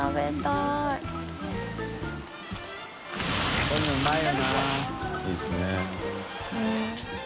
いいですね。